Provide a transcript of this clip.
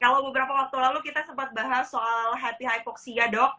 kalau beberapa waktu lalu kita sempat bahas soal hati hypoxia dok